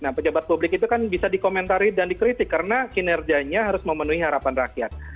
nah pejabat publik itu kan bisa dikomentari dan dikritik karena kinerjanya harus memenuhi harapan rakyat